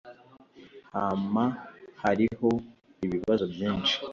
Hama hariho ibibazo byinshi.